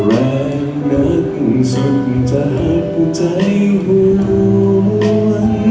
แรงนั้นสุขจากใจห่วง